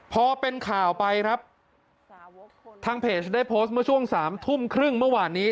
พอเป็นข่าวไปครับทางเพจได้โพสต์เมื่อช่วงสามทุ่มครึ่งเมื่อวานนี้